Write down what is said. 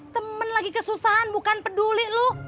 temen lagi kesusahan bukan peduli lu